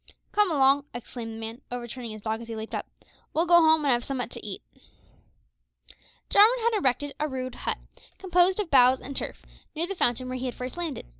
"Come along," exclaimed the man, overturning his dog as he leaped up, "we'll go home and have summat to eat." Jarwin had erected a rude hut, composed of boughs and turf, near the fountain where he had first landed.